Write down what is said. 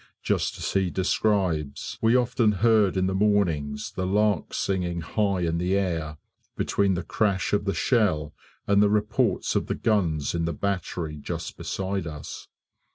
Just as he describes, we often heard in the mornings the larks singing high in the air, between the crash of the shell and the reports of the guns in the battery just beside us.